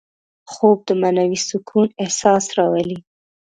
خوب د معنوي سکون احساس راولي